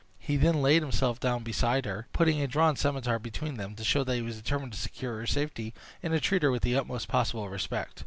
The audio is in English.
He then laid himself down beside her, putting a drawn scimitar between them, to show that he was determined to secure her safety, and to treat her with the utmost possible respect.